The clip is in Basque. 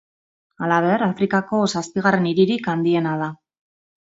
Halaber, Afrikako zazpigarren hiririk handiena da.